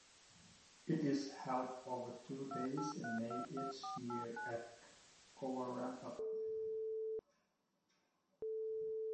It is held over two days in May each year at Cowaramup.